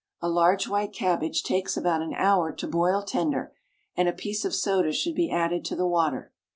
A large white cabbage takes about an hour to boil tender, and a piece of soda should be added to the water.